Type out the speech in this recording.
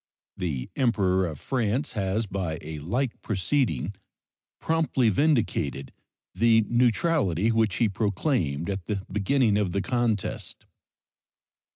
The Emperor of France has by a like proceeding promptly vindicated the neutrality which he proclaimed at the beginning of the contest.